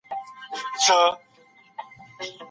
د مفرور ناول متن ډېر روان دی.